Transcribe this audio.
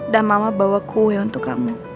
dan mama bawa kue untuk kamu